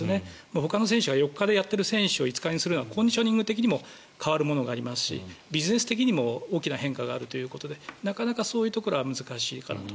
ほかの選手は４日でやっている選手を５日にするのはコンディショニング的にも変わるものがありますしビジネス的にも大きな変化があるということでなかなかそういうところは難しいかなと。